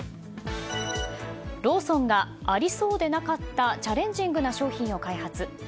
ローソンがありそうでなかったチャレンジングな商品を開発。